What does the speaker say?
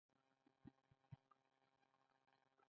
د ایران ونډه د هیرولو نه ده.